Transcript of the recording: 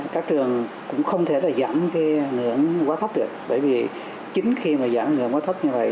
các trường cũng không thể giảm ngưỡng quá thấp được bởi vì chính khi giảm ngưỡng quá thấp như vậy